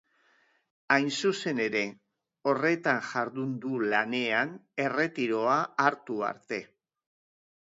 Hain zuzen ere, horretan jardun du lanean, erretiroa hartu arte.